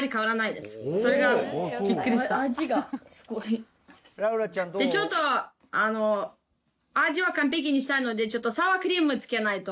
でちょっとあの味は完璧にしたいのでちょっとサワークリームつけないと。